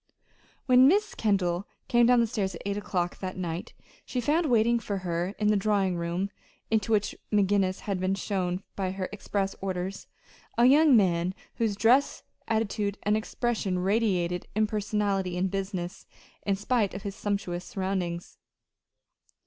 When Miss Kendall came down stairs at eight o'clock that night she found waiting for her in the drawing room into which McGinnis had been shown by her express orders a young man whose dress, attitude, and expression radiated impersonality and business, in spite of his sumptuous surroundings.